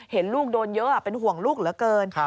เห็นลูกโดนเยอะเป็นห่วงลูกเหลือเกิน